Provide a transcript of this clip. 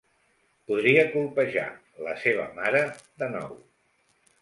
Podria colpejar la seva mare de nou.